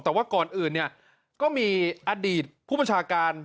แต่ว่าก่อนอื่นเนี่ยก็มีอดีตผู้บัญชาการ